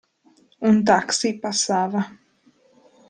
Un taxi passava.